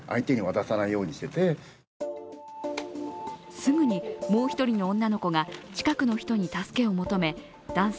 すぐにもう一人の女の子が近くの人に助けを求め男性